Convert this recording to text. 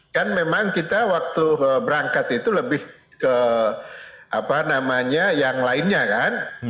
kan memang kita waktu berangkat itu lebih ke apa namanya yang lainnya kan